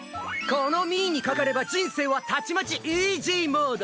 このミーにかかれば人生はたちまちイージーモード。